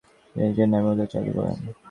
তিনি নিজের নামে মুদ্রা চালু করেন।